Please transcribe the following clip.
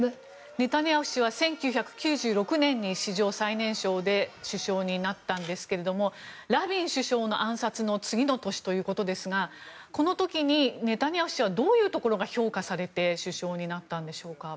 ネタニヤフ氏は１９９６年に史上最年少で首相になったんですけれどもラビン首相の暗殺の次の年ということですがこの時にネタニヤフ氏はどういうところが評価されて首相になったんでしょうか。